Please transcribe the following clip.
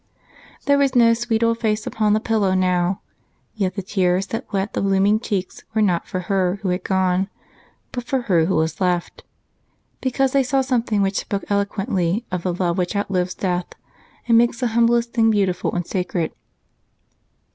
There was no sweet old face upon the pillow now, yet the tears that wet the blooming cheeks were not for her who had gone, but for her who was left, because they saw something which spoke eloquently of the love which outlives death and makes the humblest things beautiful and sacred.